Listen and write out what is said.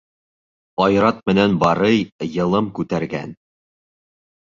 Айрат менән Барый йылым күтәргән.